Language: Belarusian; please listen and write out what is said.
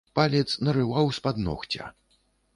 Палец нарываў з-пад ногця.